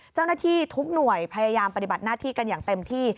เจ้าหน้าที่ทุกหน่วยพยายามปฏิบัติหน้าที่กันอย่างเต็มที่